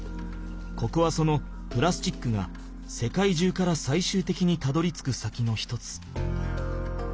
ここはそのプラスチックが世界中からさいしゅうてきにたどりつく先の一つ。